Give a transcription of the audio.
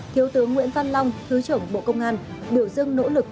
thiếu tướng nguyễn văn long thứ trưởng bộ công an biểu dưng nỗ lực